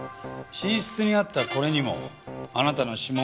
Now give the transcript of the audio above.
寝室にあったこれにもあなたの指紋がついていました。